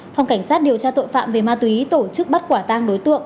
phòng cảnh sát điều tra tội phạm về ma túy tổ chức bắt quả tang đối tượng